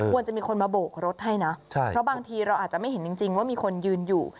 มีคนมาโบกรถให้นะเพราะบางทีเราอาจจะไม่เห็นจริงว่ามีคนยืนอยู่